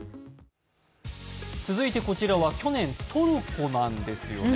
続いてこちらは去年、トルコなんですよね。